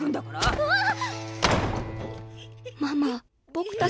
うわっ！